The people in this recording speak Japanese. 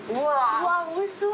うわおいしそう。